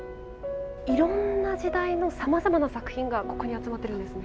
いろんな時代のさまざまな作品がここに集まってるんですね。